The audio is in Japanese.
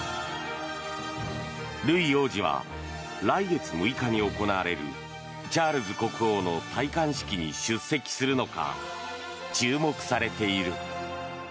ルイ王子は来月６日に行われるチャールズ国王の戴冠式に出席するのか注目されている。